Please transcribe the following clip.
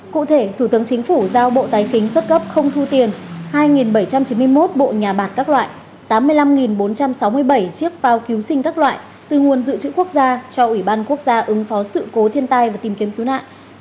cụ thể thủ tướng chính phủ giao bộ tài chính xuất cấp không thu tiền hai bảy trăm chín mươi một bộ nhà bạc các loại tám mươi năm bốn trăm sáu mươi bảy chiếc phao cứu sinh các loại từ nguồn dự trữ quốc gia cho ủy ban quốc gia ứng phó sự cố thiên tai và tìm kiếm cứu nạn